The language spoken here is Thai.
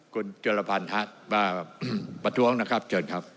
ครับเจอดเจอดครับ